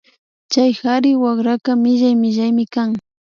Chay kari wakraka millay millaymi kan